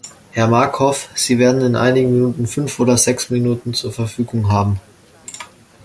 Herr Markov, Sie werden in einigen Minuten fünf oder sechs Minuten zur Verfügung haben.